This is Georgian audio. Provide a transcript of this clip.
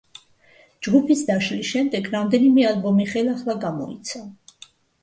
ჯგუფის დაშლის შემდეგ რამდენიმე ალბომი ხელახლა გამოიცა.